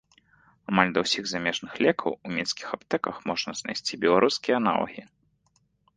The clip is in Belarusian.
Амаль да ўсіх замежных лекаў у мінскіх аптэках можна знайсці беларускія аналагі.